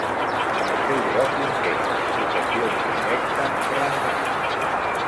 En el seu lloc impera l'explotació indirecta, rendal.